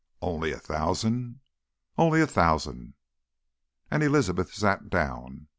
"Only a thousand?" "Only a thousand." And Elizabeth sat down.